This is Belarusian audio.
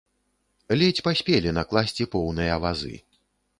Ледзь паспелі накласці поўныя вазы.